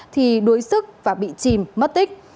thì đuối sức và bị chìm mất tích